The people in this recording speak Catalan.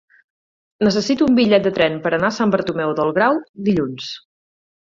Necessito un bitllet de tren per anar a Sant Bartomeu del Grau dilluns.